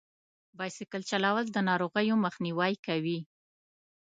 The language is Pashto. بایسکل چلول د ناروغیو مخنیوی کوي.